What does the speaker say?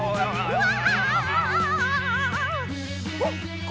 うわ！